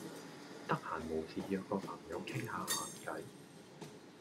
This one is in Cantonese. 得閒無事約個朋友傾吓閒偈